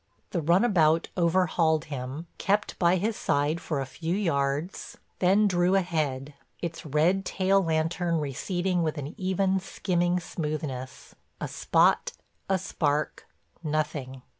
The runabout overhauled him, kept by his side for a few yards, then drew ahead, its red tail lantern receding with an even, skimming smoothness; a spot, a spark, nothing.